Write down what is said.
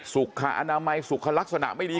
สุขอนามัยสุขลักษณะไม่ดี